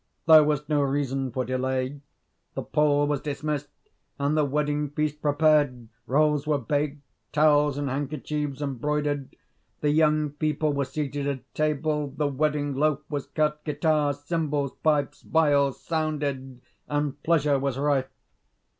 There was no reason for delay. The Pole was dismissed, and the wedding feast prepared; rolls were baked, towels and handkerchiefs embroidered; the young people were seated at table; the wedding loaf was cut; guitars, cymbals, pipes, viols sounded, and pleasure was rife.